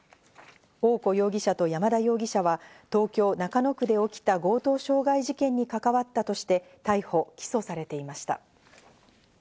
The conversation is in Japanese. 大古容疑者と山田容疑者は東京・中野区で起きた強盗傷害事件に関わったとして、逮捕・起訴されていました。